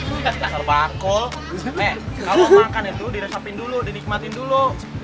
eh kalau makan itu diresepin dulu dinikmatin dulu